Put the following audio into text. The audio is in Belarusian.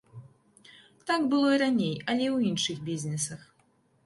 Так было і раней, але ў іншых бізнесах.